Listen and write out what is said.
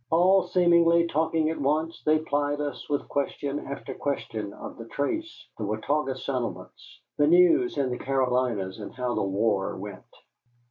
All seemingly talking at once, they plied us with question after question of the trace, the Watauga settlements, the news in the Carolinys, and how the war went.